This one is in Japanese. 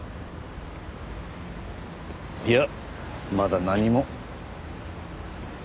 いやまだ何も。